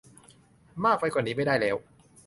มากไปกว่านี้ไม่ได้แล้ว